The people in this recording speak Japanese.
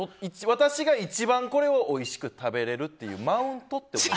私が一番これをおいしく食べれるっていうマウント？って思う。